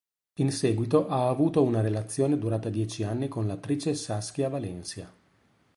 In seguito, ha avuto una relazione durata dieci anni con l'attrice Saskia Valencia.